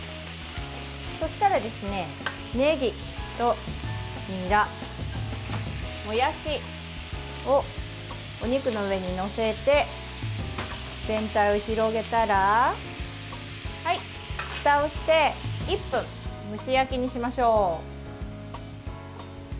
そしたら、ねぎとにら、もやしをお肉の上に載せて全体に広げたらふたをして１分蒸し焼きにしましょう。